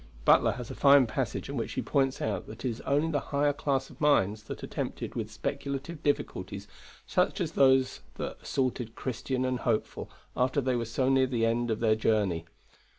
Butler has a fine passage in which he points out that it is only the higher class of minds that are tempted with speculative difficulties such as those were that assaulted Christian and Hopeful after they were so near the end of their journey.